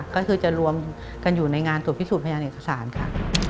ก็คือจะรวมกันอยู่ในงานตรวจพิสูจนพยานเอกสารค่ะ